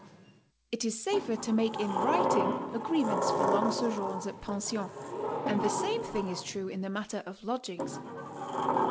It is safer to make in writing agreements for long so joums at pensions, and the same thing is true in the matter (.'f lodgings.